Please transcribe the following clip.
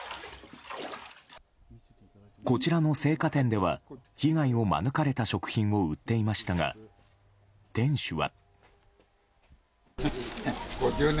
こちらの青果店では被害を免れた食品を売っていましたが店主は。